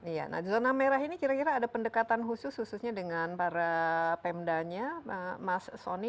iya nah zona merah ini kira kira ada pendekatan khusus khususnya dengan para pemdanya mas soni